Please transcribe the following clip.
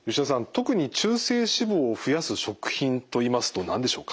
特に中性脂肪を増やす食品といいますと何でしょうか？